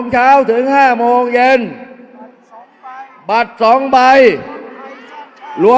อย่าให้ลุงตู่สู้คนเดียว